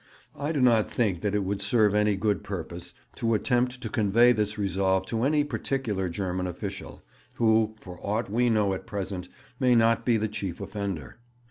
I do not think that it would serve any good purpose to attempt to convey this resolve to any particular German official, who, for aught we know at present, may not be the chief offender.'